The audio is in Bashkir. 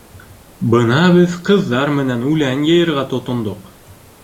Бына беҙ ҡыҙҙар менән үлән йыйырға тотондоҡ.